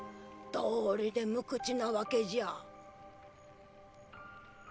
どうりで無口なわけじゃ。